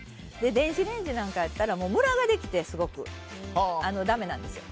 電子レンジなんかやったらすごくムラができてだめなんですよ。